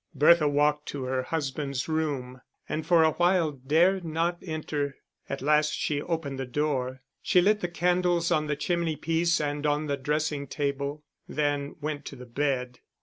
Bertha walked to her husband's room and for a while dared not enter. At last she opened the door, she lit the candles on the chimney piece and on the dressing table, then went to the bed.